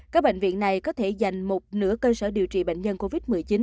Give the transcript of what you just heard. các bệnh viện này có thể dành một nửa cơ sở điều trị bệnh nhân covid một mươi chín